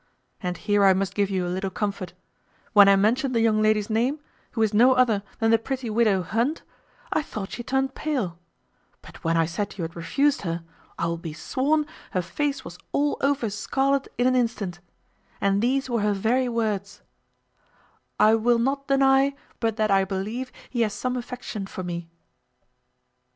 And here I must give you a little comfort; when I mentioned the young lady's name, who is no other than the pretty widow Hunt, I thought she turned pale; but when I said you had refused her, I will be sworn her face was all over scarlet in an instant; and these were her very words: `I will not deny but that I believe he has some affection for me.'"